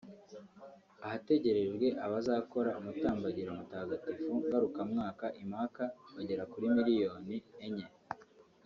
ahategerejwe abazakora umutambagiro mutagatifu ngarukamwaka i Maka bagera kuri miliyoni enye